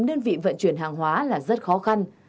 đơn vị vận chuyển hàng hóa là rất khó khăn